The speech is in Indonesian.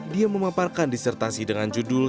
dia memaparkan disertasi dengan judul